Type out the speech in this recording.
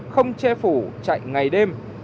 không che phủ chạy ngày đêm